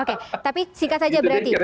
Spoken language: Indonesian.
oke tapi singkat saja berarti